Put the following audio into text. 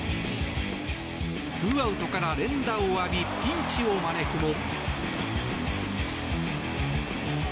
ツーアウトから連打を浴びピンチを招くも。